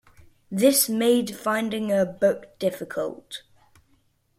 This made finding a book difficult.